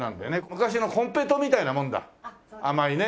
昔の金平糖みたいなもんだ甘いね。